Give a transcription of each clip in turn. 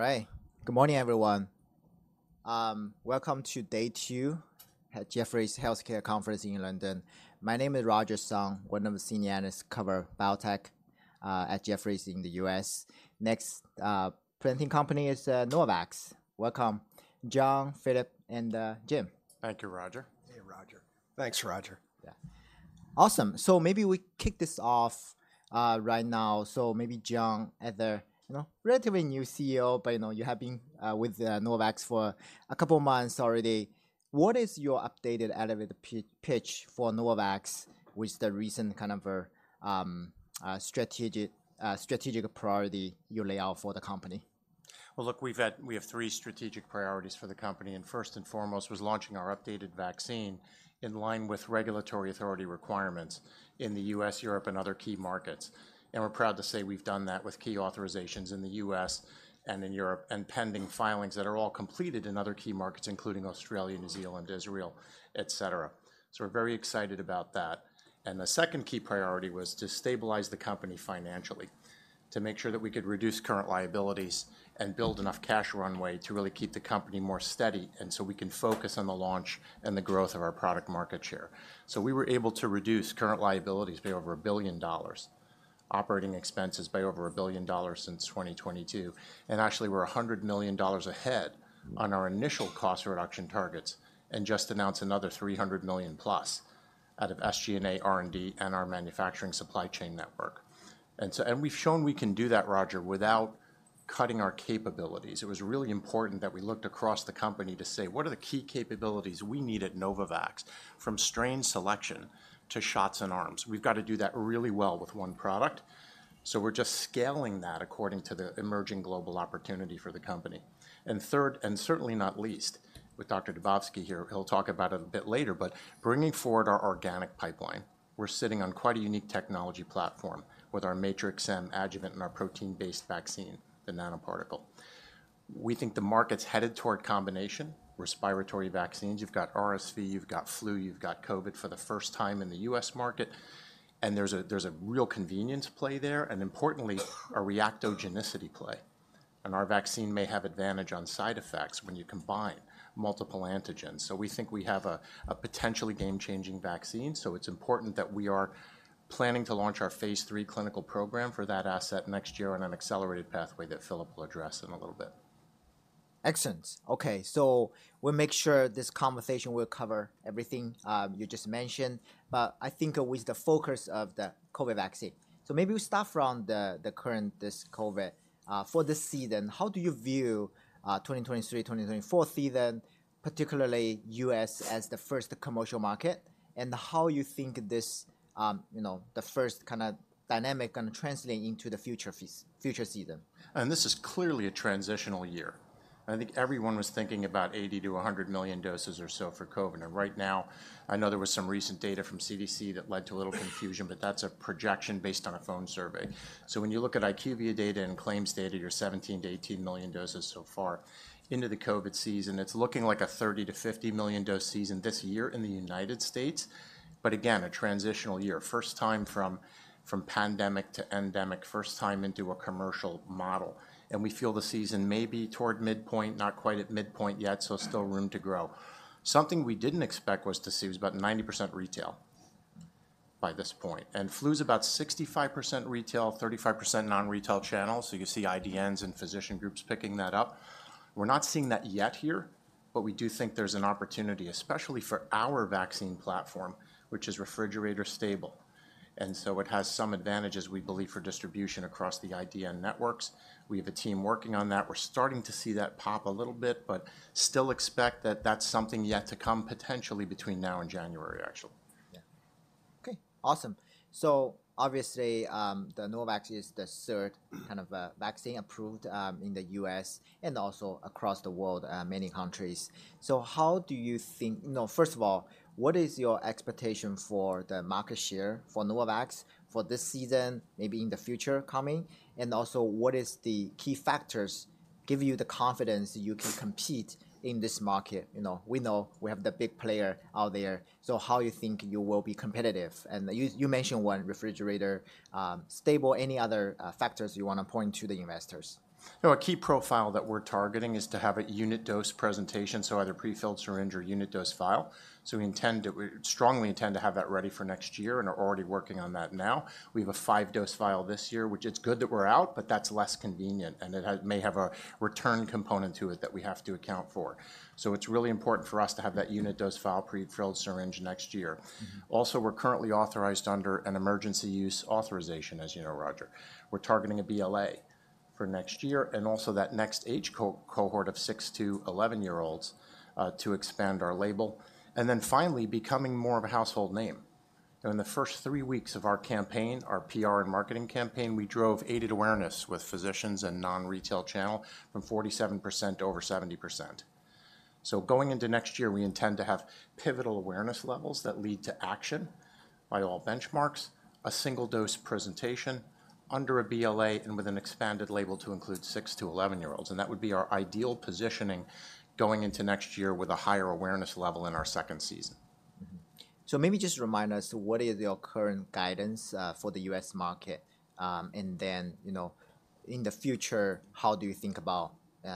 All right. Good morning, everyone. Welcome to day two at Jefferies Healthcare Conference in London. My name is Roger Song, one of the senior analysts cover biotech at Jefferies in the U.S. Next, presenting company is Novavax. Welcome, John, Filip, and Jim. Thank you, Roger. Hey, Roger. Thanks, Roger. Yeah. Awesome. So maybe we kick this off right now. So maybe John, as the, you know, relatively new CEO, but, you know, you have been with Novavax for a couple of months already. What is your updated elevated pitch for Novavax, with the recent kind of strategic priority you lay out for the company? Well, look, we have three strategic priorities for the company, and first and foremost was launching our updated vaccine in line with regulatory authority requirements in the U.S., Europe, and other key markets. We're proud to say we've done that with key authorizations in the U.S. and in Europe, and pending filings that are all completed in other key markets, including Australia, New Zealand, Israel, et cetera. We're very excited about that. The second key priority was to stabilize the company financially, to make sure that we could reduce current liabilities and build enough cash runway to really keep the company more steady, and so we can focus on the launch and the growth of our product market share. So we were able to reduce current liabilities by over $1 billion, operating expenses by over $1 billion since 2022, and actually, we're $100 million ahead on our initial cost reduction targets, and just announced another $300+ million out of SG&A, R&D, and our manufacturing supply chain network. And so, we've shown we can do that, Roger, without cutting our capabilities. It was really important that we looked across the company to say: What are the key capabilities we need at Novavax, from strain selection to shots in arms? We've got to do that really well with one product, so we're just scaling that according to the emerging global opportunity for the company. And third, and certainly not least, with Dr. Dubovsky here, he'll talk about it a bit later, but bringing forward our organic pipeline. We're sitting on quite a unique technology platform with our Matrix-M adjuvant and our protein-based vaccine, the nanoparticle. We think the market's headed toward combination respiratory vaccines. You've got RSV, you've got flu, you've got COVID for the first time in the U.S. market, and there's a, there's a real convenience play there, and importantly, a reactogenicity play. And our vaccine may have advantage on side effects when you combine multiple antigens. So we think we have a, a potentially game-changing vaccine, so it's important that we are planning to launch our phase III clinical program for that asset next year on an accelerated pathway that Filip will address in a little bit. Excellent. Okay, so we'll make sure this conversation will cover everything you just mentioned, but I think with the focus of the COVID vaccine. So maybe we start from the current, this COVID. For this season, how do you view 2023-2024 season, particularly U.S., as the first commercial market? And how you think this, you know, the first kind of dynamic gonna translate into the future future season? This is clearly a transitional year. I think everyone was thinking about 80-100 million doses or so for COVID. And right now, I know there was some recent data from CDC that led to a little confusion, but that's a projection based on a phone survey. So when you look at IQVIA data and claims data, you're 17-18 million doses so far into the COVID season. It's looking like a 30-50 million dose season this year in the United States, but again, a transitional year. First time from pandemic to endemic, first time into a commercial model. And we feel the season may be toward midpoint, not quite at midpoint yet, so still room to grow. Something we didn't expect was to see it was about 90% retail by this point, and flu's about 65% retail, 35% non-retail channel, so you see IDNs and physician groups picking that up. We're not seeing that yet here, but we do think there's an opportunity, especially for our vaccine platform, which is refrigerator-stable. And so it has some advantages, we believe, for distribution across the IDN networks. We have a team working on that. We're starting to see that pop a little bit, but still expect that that's something yet to come, potentially between now and January, actually. Yeah. Okay, awesome. So obviously, the Novavax is the third kind of vaccine approved in the U.S. and also across the world, many countries. So how do you think... You know, first of all, what is your expectation for the market share for Novavax for this season, maybe in the future coming? And also, what is the key factors give you the confidence you can compete in this market? You know, we know we have the big player out there, so how you think you will be competitive? And you, you mentioned one, refrigerator stable. Any other factors you want to point to the investors? You know, a key profile that we're targeting is to have a unit-dose presentation, so either prefilled syringe or unit-dose vial. So we intend to, we strongly intend to have that ready for next year and are already working on that now. We have a five-dose vial this year, which it's good that we're out, but that's less convenient, and it has, may have a return component to it that we have to account for. So it's really important for us to have that unit-dose vial prefilled syringe next year. Also, we're currently authorized under an Emergency Use Authorization, as you know, Roger. We're targeting a BLA for next year and also that next age cohort of six to 11 year olds to expand our label. And then finally, becoming more of a household name. You know, in the first three weeks of our campaign, our PR and marketing campaign, we drove aided awareness with physicians and non-retail channel from 47% to over 70%. So going into next year, we intend to have pivotal awareness levels that lead to action by all benchmarks, a single-dose presentation under a BLA, and with an expanded label to include six to 11 year olds. And that would be our ideal positioning going into next year with a higher awareness level in our second season. So maybe just remind us, what is your current guidance for the U.S. market? And then, you know, in the future, how do you think about, you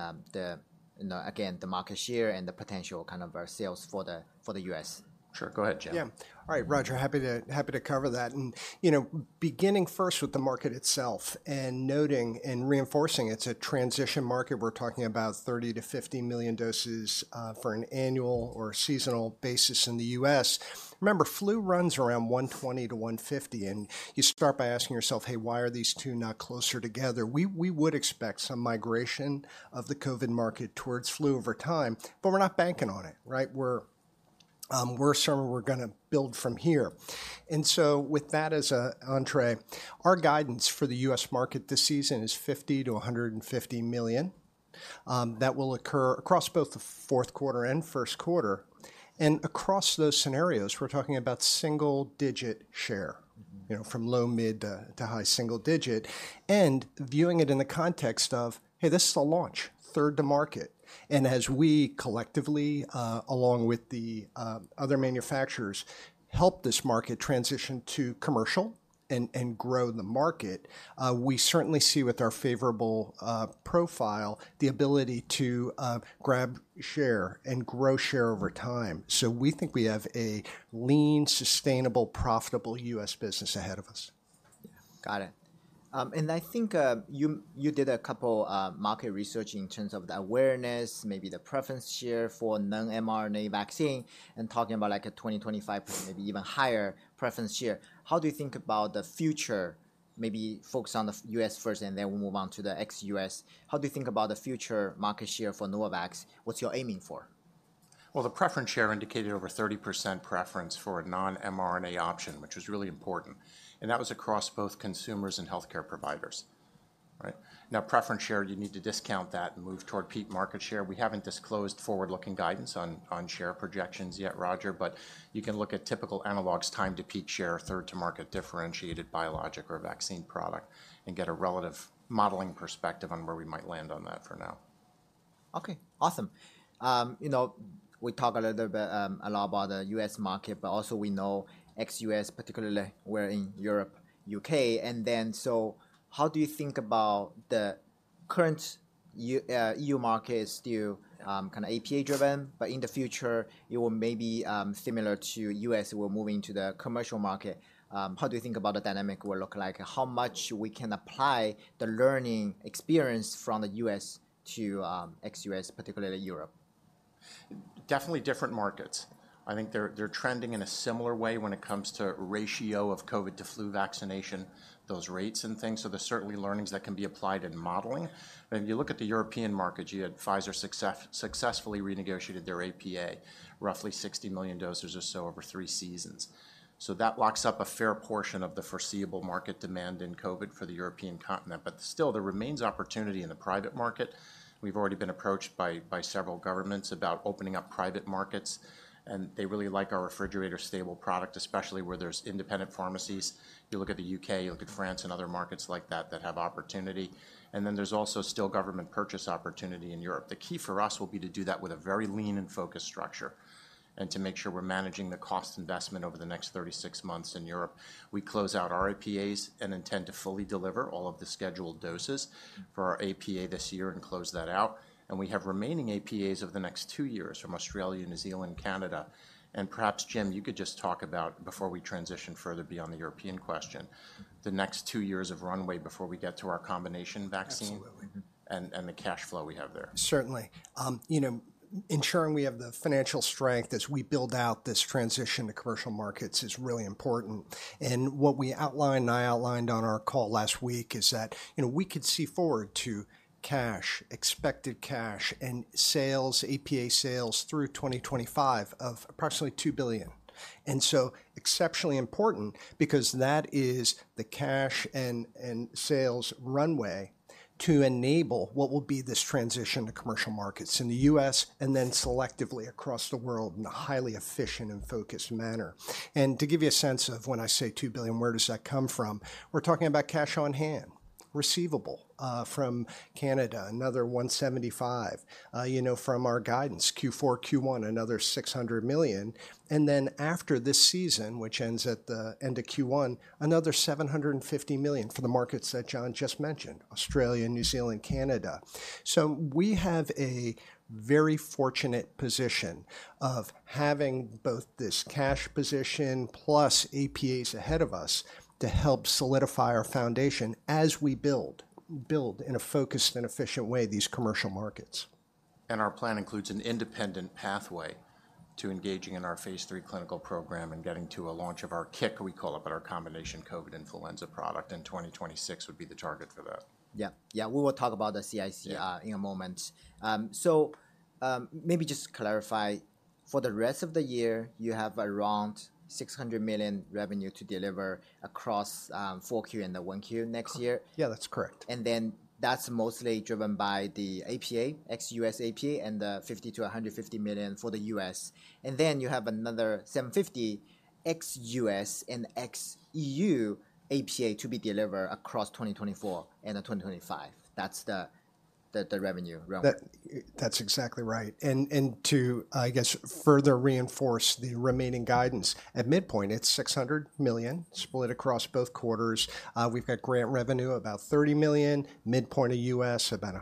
know, again, the market share and the potential kind of sales for the U.S.? Sure. Go ahead, Jim. Yeah. All right, Roger, happy to, happy to cover that. And, you know, beginning first with the market itself and noting and reinforcing it's a transition market, we're talking about 30-50 million doses for an annual or seasonal basis in the U.S. Remember, flu runs around 120-150, and you start by asking yourself, "Hey, why are these two not closer together?" We would expect some migration of the COVID market towards flu over time, but we're not banking on it, right? We're sure we're gonna build from here. And so with that as a entree, our guidance for the U.S. market this season is 50-150 million. That will occur across both the fourth quarter and first quarter. And across those scenarios, we're talking about single-digit share, you know, from low mid to high single digit, and viewing it in the context of, "Hey, this is a launch, third to market." And as we collectively along with the other manufacturers help this market transition to commercial and grow the market, we certainly see with our favorable profile the ability to grab share and grow share over time. So we think we have a lean, sustainable, profitable U.S. business ahead of us. Got it. And I think you, you did a couple market research in terms of the awareness, maybe the preference share for non-mRNA vaccine, and talking about, like, a 20, 25, maybe even higher preference share. How do you think about the future, maybe focus on the U.S. first, and then we'll move on to the ex-U.S. How do you think about the future market share for Novavax? What's your aiming for? Well, the preference share indicated over 30% preference for a non-mRNA option, which was really important, and that was across both consumers and healthcare providers. Right? Now, preference share, you need to discount that and move toward peak market share. We haven't disclosed forward-looking guidance on, on share projections yet, Roger, but you can look at typical analogues time to peak share, third to market differentiated biologic or vaccine product, and get a relative modeling perspective on where we might land on that for now. Okay, awesome. You know, we talk a little bit, a lot about the U.S. market, but also we know ex-U.S., particularly we're in Europe, U.K., and then so how do you think about the current E.U. market is still, kind of APA driven, but in the future it will may be, similar to U.S., we're moving to the commercial market. How do you think about the dynamic will look like? How much we can apply the learning experience from the U.S. to, ex-U.S., particularly Europe? Definitely different markets. I think they're trending in a similar way when it comes to ratio of COVID to flu vaccination, those rates and things, so there's certainly learnings that can be applied in modeling. But if you look at the European market, you had Pfizer successfully renegotiated their APA, roughly 60 million doses or so over three seasons. So that locks up a fair portion of the foreseeable market demand in COVID for the European continent, but still there remains opportunity in the private market. We've already been approached by several governments about opening up private markets, and they really like our refrigerator stable product, especially where there's independent pharmacies. You look at the U.K., you look at France and other markets like that, that have opportunity. And then there's also still government purchase opportunity in Europe. The key for us will be to do that with a very lean and focused structure, and to make sure we're managing the cost investment over the next 36 months in Europe. We close out our APAs and intend to fully deliver all of the scheduled doses for our APA this year and close that out, and we have remaining APAs over the next two years from Australia, New Zealand, Canada. And perhaps, Jim, you could just talk about, before we transition further beyond the European question, the next two years of runway before we get to our combination vaccine- Absolutely. and the cash flow we have there. Certainly. You know, ensuring we have the financial strength as we build out this transition to commercial markets is really important. What we outlined, and I outlined on our call last week, is that, you know, we could see forward to cash, expected cash, and sales, APA sales through 2025 of approximately $2 billion. So exceptionally important because that is the cash and sales runway to enable what will be this transition to commercial markets in the U.S. and then selectively across the world in a highly efficient and focused manner. To give you a sense of when I say $2 billion, where does that come from? We're talking about cash on hand, receivable from Canada, another $175 million. You know, from our guidance, Q4, Q1, another $600 million, and then after this season, which ends at the end of Q1, another $750 million for the markets that John just mentioned, Australia, New Zealand, Canada. So we have a very fortunate position of having both this cash position plus APAs ahead of us to help solidify our foundation as we build, build in a focused and efficient way, these commercial markets. Our plan includes an independent pathway to engaging in our phase III clinical program and getting to a launch of our CIC, we call it, but our combination COVID influenza product, and 2026 would be the target for that. Yeah. Yeah, we will talk about the CIC- Yeah... in a moment. So, maybe just clarify, for the rest of the year, you have around $600 million revenue to deliver across Q4 and the Q1 next year? Yeah, that's correct. And then that's mostly driven by the APA, ex-U.S. APA, and the $50 million-$150 million for the U.S.. And then you have another $750 million ex-U.S. and ex-E.U. APA to be delivered across 2024 and 2025. That's the revenue, right? That, that's exactly right. And to, I guess, further reinforce the remaining guidance, at midpoint, it's $600 million split across both quarters. We've got grant revenue about $30 million, midpoint of U.S. about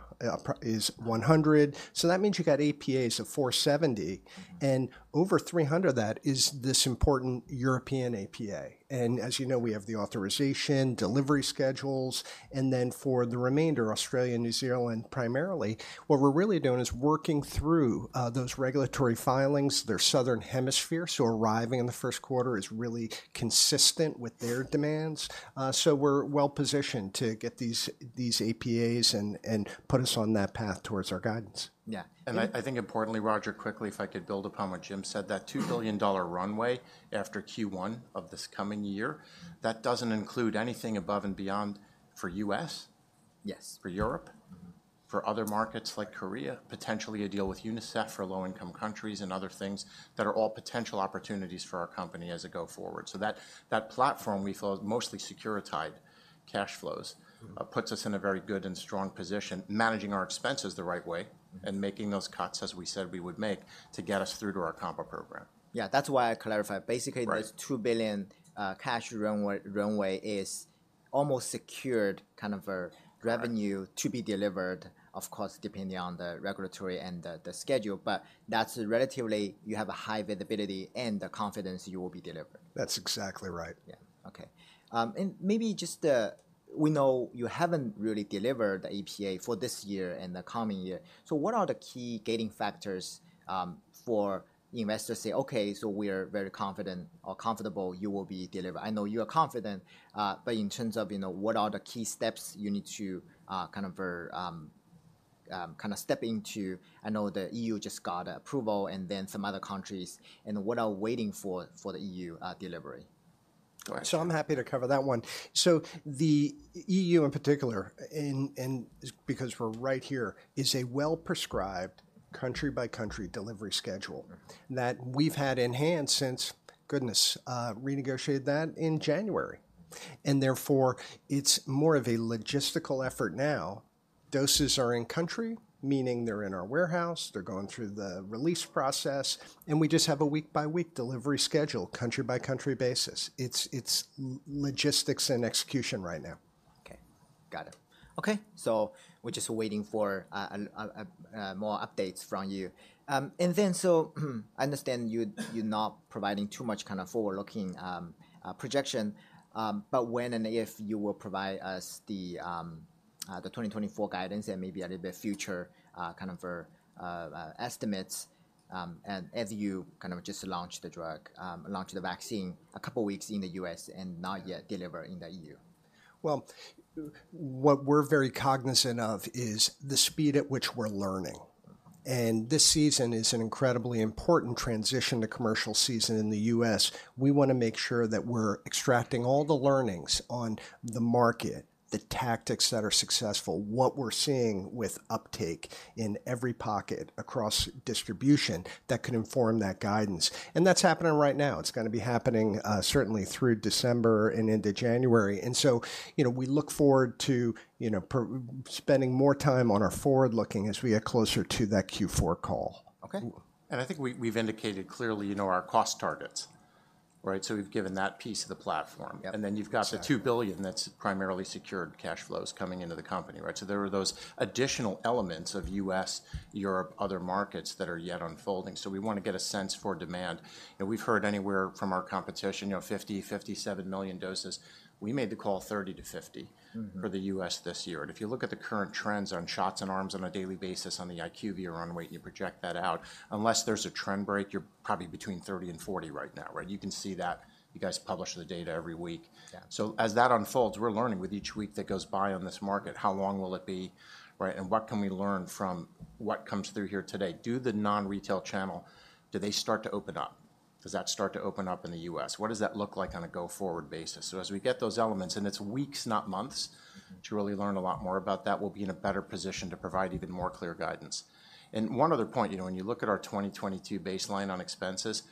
is $100. So that means you've got APAs of $470, and over $300 of that is this important European APA. And as you know, we have the authorization, delivery schedules, and then for the remainder, Australia, New Zealand primarily, what we're really doing is working through those regulatory filings. They're Southern Hemisphere, so arriving in the first quarter is really consistent with their demands. So we're well positioned to get these APAs and put us on that path towards our guidance. Yeah. I, I think importantly, Roger, quickly, if I could build upon what Jim said, that $2 billion runway after Q1 of this coming year, that doesn't include anything above and beyond for U.S.- Yes... for Europe for other markets like Korea, potentially a deal with UNICEF for low-income countries and other things that are all potential opportunities for our company as we go forward. So that, that platform, we feel, mostly securitized cash flows- puts us in a very good and strong position, managing our expenses the right way and making those cuts as we said we would make, to get us through to our combo program. Yeah, that's why I clarified. Basically, this $2 billion cash runway is almost secured, kind of revenue to be delivered, of course, depending on the regulatory and the schedule, but that's relatively, you have a high visibility and the confidence you will be delivered. That's exactly right. Yeah. Okay. And maybe just, we know you haven't really delivered the APA for this year and the coming year, so what are the key gating factors, for investors to say, "Okay, so we are very confident or comfortable you will be delivered?" I know you are confident, but in terms of, you know, what are the key steps you need to kind of step into... I know the E.U. just got approval and then some other countries, and what are waiting for, for the E.U. delivery? Go ahead. So I'm happy to cover that one. So the E.U. in particular, and because we're right here, is a well-prescribed country-by-country delivery schedule that we've had enhanced since, goodness, renegotiated that in January. And therefore, it's more of a logistical effort now. Doses are in country, meaning they're in our warehouse, they're going through the release process, and we just have a week-by-week delivery schedule, country-by-country basis. It's logistics and execution right now. Okay. Got it. Okay, so we're just waiting for more updates from you. And then, so, I understand you're not providing too much kind of forward-looking projection, but when and if you will provide us the 2024 guidance and maybe a little bit future kind of estimates, as you kind of just launch the drug, launch the vaccine a couple weeks in the U.S. and not yet deliver in the E.U.? Well, what we're very cognizant of is the speed at which we're learning, and this season is an incredibly important transition to commercial season in the U.S.. We wanna make sure that we're extracting all the learnings on the market, the tactics that are successful, what we're seeing with uptake in every pocket across distribution that can inform that guidance, and that's happening right now. It's gonna be happening, certainly through December and into January. And so, you know, we look forward to, you know, spending more time on our forward looking as we get closer to that Q4 call. Okay. I think we've indicated clearly, you know, our cost targets, right? So we've given that piece of the platform. And then you've got the $2 billion that's primarily secured cash flows coming into the company, right? So there are those additional elements of U.S., Europe, other markets that are yet unfolding. So we wanna get a sense for demand, and we've heard anywhere from our competition, you know, 50, 57 million doses. We made the call 30-50 for the U.S. this year. If you look at the current trends on shots and arms on a daily basis on the IQVIA runway, and you project that out, unless there's a trend break, you're probably between 30 and 40 right now, right? You can see that. You guys publish the data every week. So as that unfolds, we're learning with each week that goes by on this market, how long will it be, right? And what can we learn from what comes through here today? Do the non-retail channel, do they start to open up? Does that start to open up in the U.S.? What does that look like on a go-forward basis? So as we get those elements, and it's weeks, not months, to really learn a lot more about that, we'll be in a better position to provide even more clear guidance. And one other point, you know, when you look at our 2022 baseline on expenses,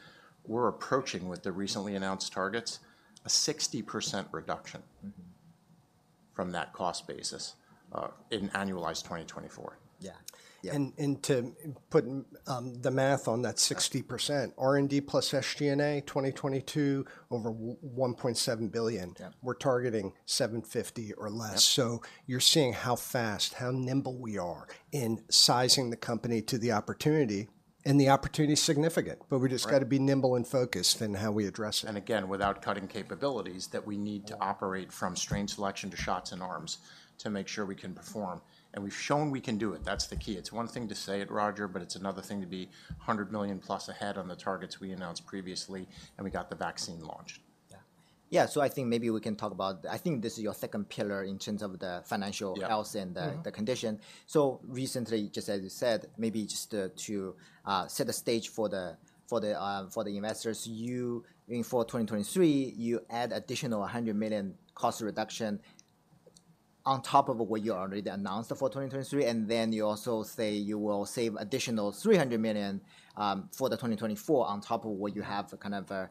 we're approaching, with the recently announced targets, a 60% reduction from that cost basis, in annualized 2024. To put the math on that 60%, R&D plus SG&A, 2022, over $1.7 billion we're targeting $7.50 or less. So you're seeing how fast, how nimble we are in sizing the company to the opportunity, and the opportunity is significant but we just gotta be nimble and focused in how we address it. Again, without cutting capabilities that we need to operate from strain selection to shots in arms to make sure we can perform. And we've shown we can do it. That's the key. It's one thing to say it, Roger, but it's another thing to be 100 million plus ahead on the targets we announced previously, and we got the vaccine launched. Yeah. Yeah, so I think maybe we can talk about... I think this is your second pillar in terms of the financial- Yeah... health and the, the condition. So recently, just as you said, maybe just to set the stage for the investors, in 2023, you add additional $100 million cost reduction on top of what you already announced for 2023, and then you also say you will save additional $300 million for 2024 on top of what you have kind of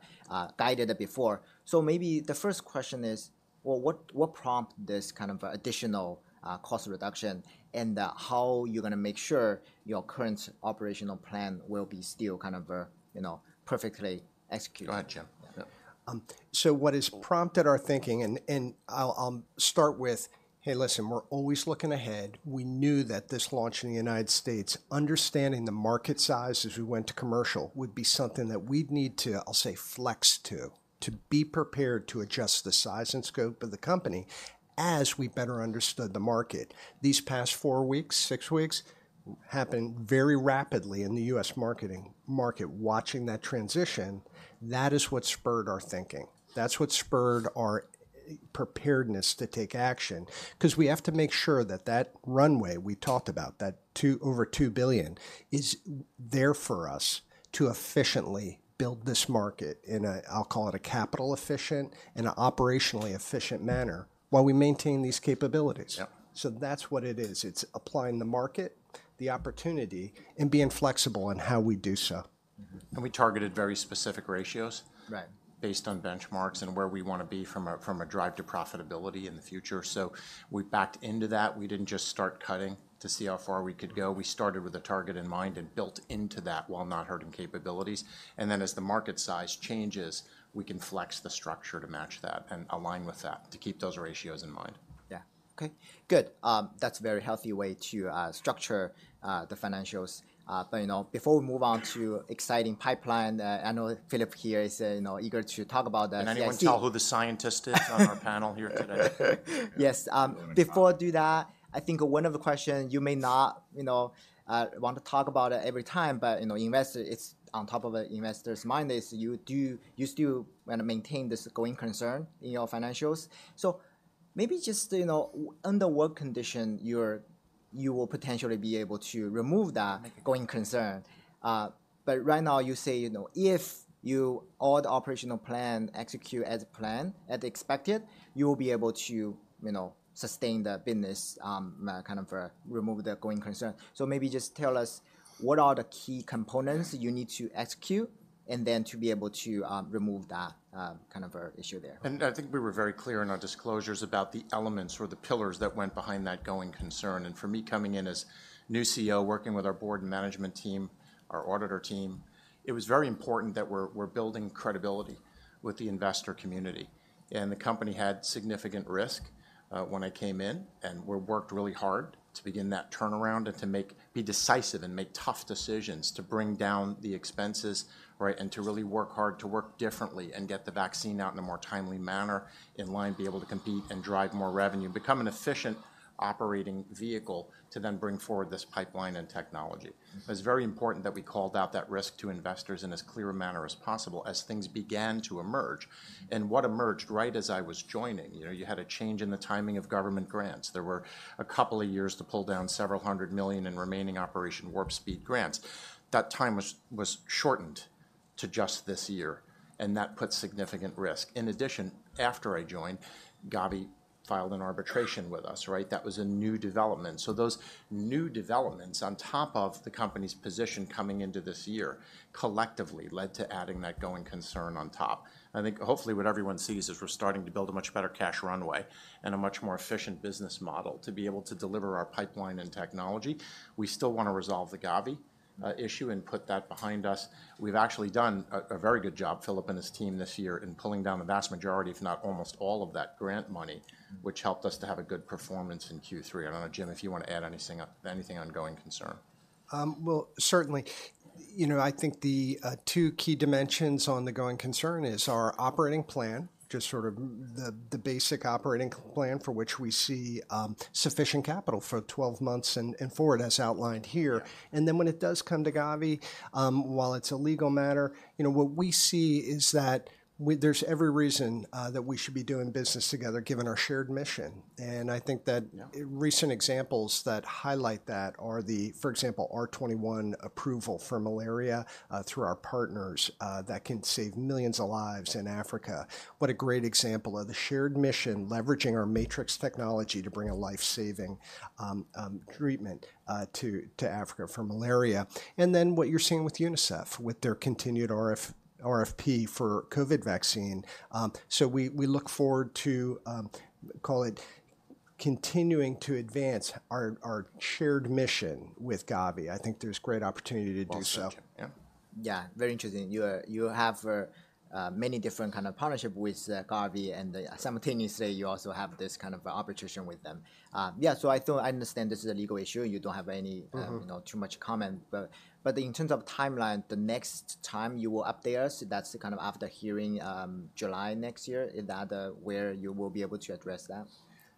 guided before. So maybe the first question is: well, what prompted this kind of additional cost reduction, and how you're gonna make sure your current operational plan will be still kind of you know perfectly executed? Go ahead, Jim. Yeah. So what has prompted our thinking, and I'll start with, hey, listen, we're always looking ahead. We knew that this launch in the United States, understanding the market size as we went to commercial, would be something that we'd need to, I'll say, flex to, to be prepared to adjust the size and scope of the company as we better understood the market. These past four weeks, six weeks, happened very rapidly in the U.S. marketing market, watching that transition, that is what spurred our thinking. That's what spurred our preparedness to take action, 'cause we have to make sure that that runway we talked about, that $2 billion or over $2 billion, is there for us to efficiently build this market in a, I'll call it a capital efficient and a operationally efficient manner, while we maintain these capabilities. Yeah. That's what it is. It's applying the market, the opportunity, and being flexible in how we do so. And we targeted very specific ratios- Right ... based on benchmarks and where we wanna be from a drive to profitability in the future. So we backed into that. We didn't just start cutting to see how far we could go. We started with a target in mind and built into that while not hurting capabilities, and then as the market size changes, we can flex the structure to match that and align with that, to keep those ratios in mind. Yeah. Okay, good. That's a very healthy way to structure the financials. But, you know, before we move on to exciting pipeline, I know Filip here is, you know, eager to talk about the CIC. Can anyone tell who the scientist is on our panel here today? Yes, before I do that, I think one of the question you may not, you know, want to talk about it every time, but, you know, investor, it's on top of the investor's mind, is, do you still wanna maintain this going concern in your financials? So maybe just, you know, under what condition you will potentially be able to remove that going concern. But right now you say, you know, if all the operational plan execute as planned, as expected, you will be able to, you know, sustain the business, kind of remove the going concern. So maybe just tell us what are the key components you need to execute, and then to be able to remove that kind of issue there. I think we were very clear in our disclosures about the elements or the pillars that went behind that going concern, and for me, coming in as new CEO, working with our board and management team, our auditor team, it was very important that we're building credibility with the investor community. The company had significant risk when I came in, and we worked really hard to begin that turnaround and to make be decisive and make tough decisions to bring down the expenses, right? To really work hard, to work differently, and get the vaccine out in a more timely manner, in line, be able to compete and drive more revenue, become an efficient operating vehicle to then bring forward this pipeline and technology. It's very important that we called out that risk to investors in as clear a manner as possible as things began to emerge. And what emerged right as I was joining, you know, you had a change in the timing of government grants. There were a couple of years to pull down several hundred million in remaining Operation Warp Speed grants. That time was shortened to just this year, and that put significant risk. In addition, after I joined, Gavi filed an arbitration with us, right? That was a new development. So those new developments, on top of the company's position coming into this year, collectively led to adding that going concern on top. I think hopefully what everyone sees is we're starting to build a much better cash runway and a much more efficient business model to be able to deliver our pipeline and technology. We still wanna resolve the Gavi, issue and put that behind us. We've actually done a very good job, Filip and his team, this year in pulling down the vast majority, if not almost all of that grant money which helped us to have a good performance in Q3. I don't know, Jim, if you want to add anything, anything on going concern. Well, certainly. You know, I think the two key dimensions on the going concern is our operating plan, just sort of the basic operating plan for which we see sufficient capital for 12 months and forward, as outlined here. And then when it does come to Gavi, while it's a legal matter, you know, what we see is that there's every reason that we should be doing business together, given our shared mission. And I think that recent examples that highlight that are the, for example, R21 approval for malaria through our partners that can save millions of lives in Africa. What a great example of the shared mission, leveraging our Matrix technology to bring a life-saving treatment to Africa for malaria. And then what you're seeing with UNICEF, with their continued RFP for COVID vaccine. So we look forward to call it continuing to advance our shared mission with Gavi. I think there's great opportunity to do so. Yeah, very interesting. You have many different kind of partnership with Gavi, and simultaneously, you also have this kind of arbitration with them. Yeah, so I thought I understand this is a legal issue, and you don't have any you know, too much comment. But in terms of timeline, the next time you will update us, that's the kind of after hearing, July next year, is that where you will be able to address that?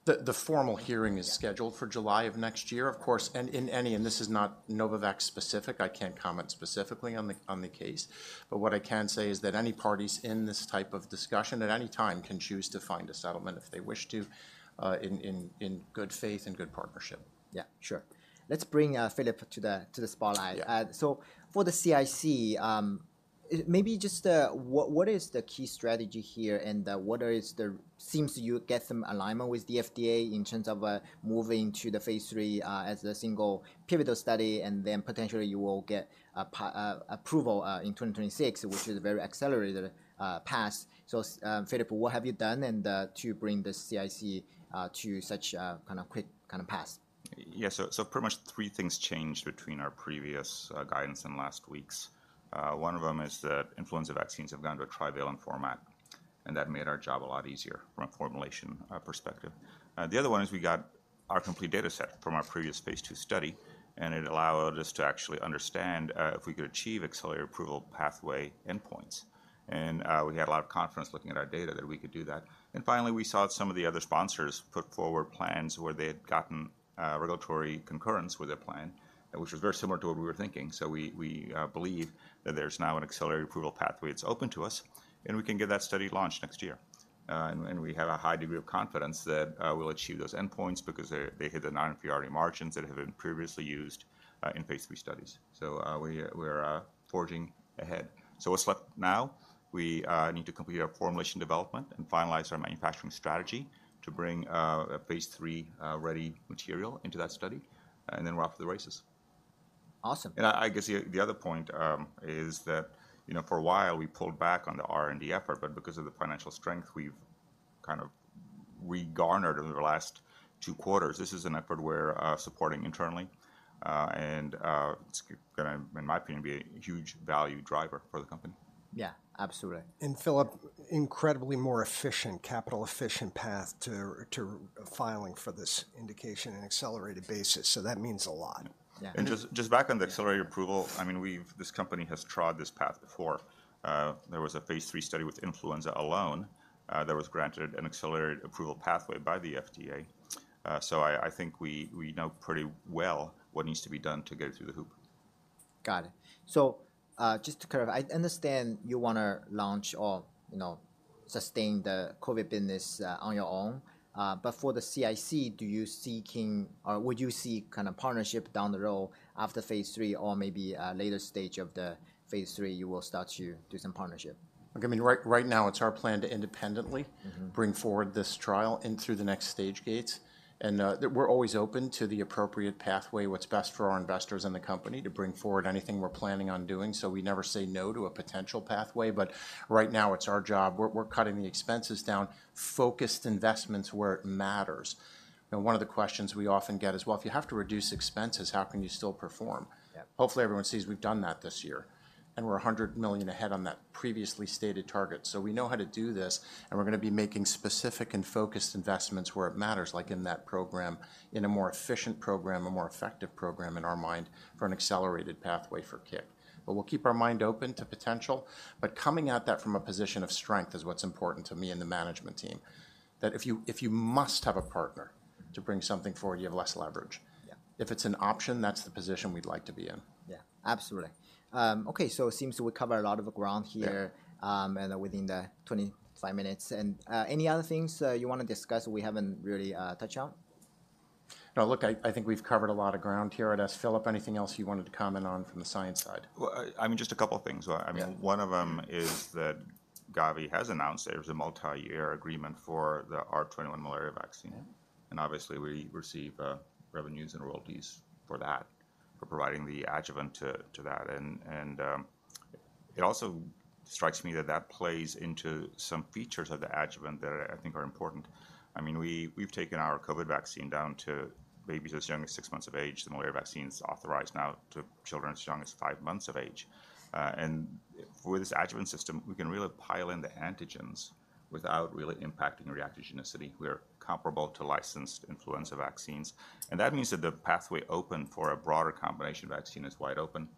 The formal hearing is scheduled for July of next year. Of course, and in any, and this is not Novavax specific, I can't comment specifically on the case, but what I can say is that any parties in this type of discussion, at any time, can choose to find a settlement if they wish to, in good faith and good partnership. Yeah, sure. Let's bring Filip to the, to the spotlight. So, for the CIC, maybe just what is the key strategy here, and what seems you get some alignment with the FDA in terms of moving to the phase III as a single pivotal study, and then potentially you will get approval in 2026, which is a very accelerated path. So, Filip, what have you done and to bring the CIC to such a kind of quick kind of path? Yeah, so, so pretty much three things changed between our previous guidance and last week's. One of them is that influenza vaccines have gone to a trivalent format, and that made our job a lot easier from a formulation perspective. The other one is we got our complete data set from our previous phase II study, and it allowed us to actually understand if we could achieve accelerated approval pathway endpoints. We had a lot of confidence looking at our data that we could do that. Finally, we saw some of the other sponsors put forward plans where they had gotten regulatory concurrence with their plan, which was very similar to what we were thinking. So we believe that there's now an accelerated approval pathway that's open to us, and we can get that study launched next year. We have a high degree of confidence that we'll achieve those endpoints because they hit the non-inferiority margins that have been previously used in phase III studies. So we're forging ahead. So what's left now? We need to complete our formulation development and finalize our manufacturing strategy to bring a phase III ready material into that study, and then we're off to the races. Awesome. And I guess the other point is that, you know, for a while, we pulled back on the R&D effort, but because of the financial strength, we've kind of regarnered over the last two quarters. This is an effort we're supporting internally. It's gonna, in my opinion, be a huge value driver for the company. Yeah, absolutely. Filip, incredibly more efficient, capital efficient path to filing for this indication in accelerated basis, so that means a lot. Just, just back on the accelerated approval, I mean, we've... This company has trod this path before. There was a phase III study with influenza alone that was granted an accelerated approval pathway by the FDA. So I, I think we, we know pretty well what needs to be done to get it through the hoop. Got it. So, just to clarify, I understand you wanna launch or, you know, sustain the COVID business on your own. But for the CIC, are you seeking or would you seek kind of partnership down the road after phase III or maybe a later stage of the phase III, you will start to do some partnership? I mean, right, right now, it's our plan to independently bring forward this trial in through the next stage gates. And, that we're always open to the appropriate pathway, what's best for our investors and the company, to bring forward anything we're planning on doing, so we never say no to a potential pathway. But right now, it's our job. We're, we're cutting the expenses down, focused investments where it matters. You know, one of the questions we often get is: Well, if you have to reduce expenses, how can you still perform? Hopefully, everyone sees we've done that this year, and we're $100 million ahead on that previously stated target. So we know how to do this, and we're gonna be making specific and focused investments where it matters, like in that program, in a more efficient program, a more effective program in our mind, for an accelerated pathway for CIC. But we'll keep our mind open to potential, but coming at that from a position of strength is what's important to me and the management team. That if you, if you must have a partner to bring something forward, you have less leverage. If it's an option, that's the position we'd like to be in. Yeah, absolutely. Okay, so it seems we covered a lot of ground here and within the 25 minutes. And, any other things, you wanna discuss that we haven't really, touched on? No, look, I, I think we've covered a lot of ground here. Unless, Filip, anything else you wanted to comment on from the science side? Well, I mean, just a couple of things. I mean, one of them is that Gavi has announced there's a multi-year agreement for the R21 malaria vaccine. And obviously, we receive revenues and royalties for that, for providing the adjuvant to that. And it also strikes me that that plays into some features of the adjuvant that I think are important. I mean, we, we've taken our COVID vaccine down to babies as young as six months of age. The malaria vaccine's authorized now to children as young as five months of age. And for this adjuvant system, we can really pile in the antigens without really impacting the reactogenicity. We're comparable to licensed influenza vaccines, and that means that the pathway open for a broader combination of vaccine is wide open.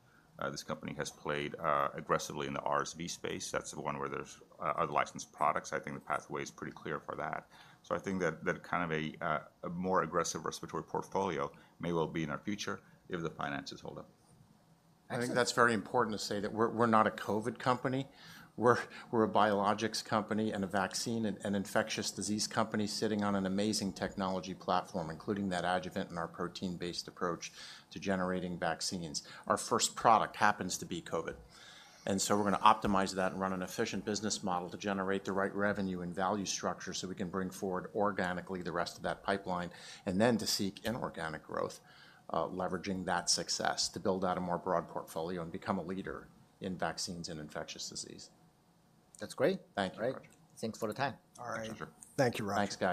This company has played aggressively in the RSV space. That's the one where there's other licensed products. I think the pathway is pretty clear for that. So I think that kind of a more aggressive respiratory portfolio may well be in our future if the finances hold up. Excellent. I think that's very important to say that we're, we're not a COVID company. We're, we're a biologics company and a vaccine and, and infectious disease company sitting on an amazing technology platform, including that adjuvant and our protein-based approach to generating vaccines. Our first product happens to be COVID, and so we're gonna optimize that and run an efficient business model to generate the right revenue and value structure, so we can bring forward organically the rest of that pipeline, and then to seek inorganic growth, leveraging that success to build out a more broad portfolio and become a leader in vaccines and infectious disease. That's great. Thank you, Roger. Thanks for the time. All right. Thank you, Roger. Thanks, guys.